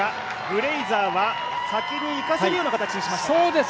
ブレイザーは先に行かせるような形にしました。